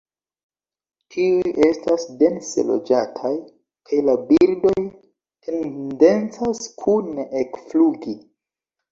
Tiuj estas dense loĝataj kaj la birdoj tendencas kune ekflugi.